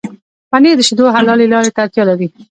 پنېر د شيدو حلالې لارې ته اړتيا لري.